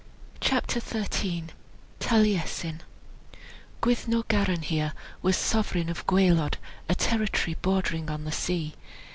CHAPTER XIII TALIESIN Gwyddno Garanhir was sovereign of Gwaelod, a territory bordering on the sea.